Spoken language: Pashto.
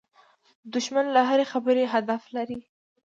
دښمن له هرې خبرې هدف لري